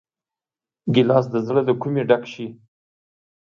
ګیلاس د زړه له کومي ډک شي.